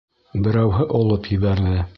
Берәүһе олоп ебәрҙе.